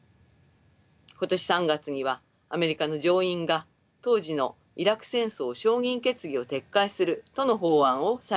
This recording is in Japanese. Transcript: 今年３月にはアメリカの上院が当時のイラク戦争承認決議を撤回するとの法案を採択しました。